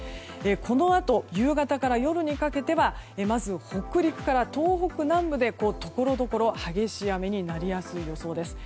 このあと夕方から夜にかけてはまず北陸から東北南部でところどころ激しい雨になりやすい予想です。